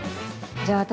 じゃあ私